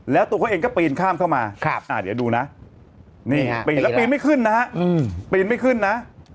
แล้วตัวเขาเองก็ปีนข้ามเข้ามาเดี๋ยวดูนะนี่ฮะปีนแล้วปีนไม่ขึ้นนะฮะปีนไม่ขึ้นนะ